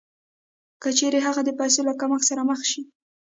که چېرې هغه د پیسو له کمښت سره مخ شي